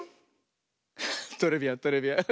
トレビアントレビアン。